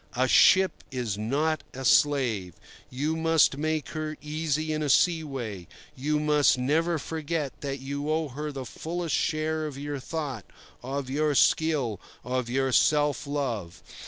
A ship is not a slave. You must make her easy in a seaway, you must never forget that you owe her the fullest share of your thought, of your skill, of your self love.